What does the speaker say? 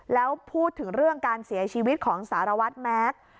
แล้วพูดถึงเรื่องการเสียชีวิตของสารวัตรแม็กซ์